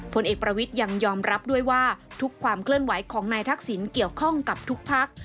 ผลเอกประวิทย์ยังยอมรับด้วยว่าทุกความเคลื่อนไหวของนายทักษิณเกี่ยวข้องกับทุกพัก